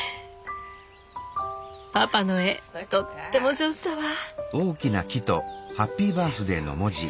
パパの絵とっても上手だわ。